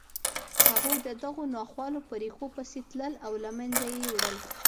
هغوی د دغو ناخوالو په ریښو پسې تلل او له منځه یې وړل